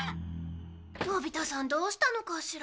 のび太さんどうしたのかしら。